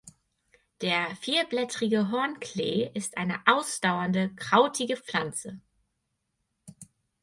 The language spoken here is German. Der Vierblättrige Hornklee ist eine ausdauernde krautige Pflanze.